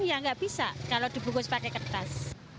ya nggak bisa kalau dibungkus pakai kertas